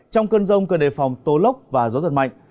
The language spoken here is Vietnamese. trong cơn rông cần đề phòng tố lốc và gió giật mạnh